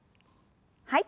はい。